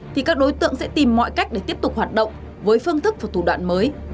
thì các đối tượng sẽ tìm mọi cách để tiếp tục hoạt động với phương thức và thủ đoạn mới